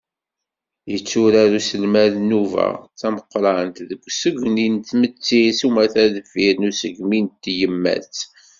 Yetturar uselmad nnuba tameqqṛant deg usegmi n tmetti s umata deffir n usegmi n tyemmat.